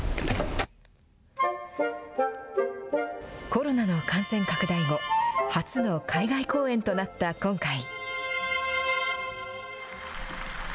コロナの感染拡大後、初の海外公演となった今回。